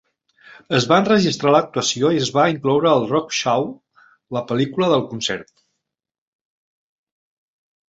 Es va enregistrar l'actuació i es va incloure a Rockshow, la pel·lícula del concert.